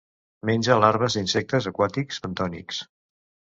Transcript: Menja larves d'insectes aquàtics bentònics.